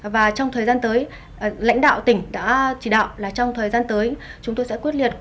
và trong thời gian tới lãnh đạo tỉnh đã chỉ đạo là trong thời gian tới chúng tôi sẽ quyết liệt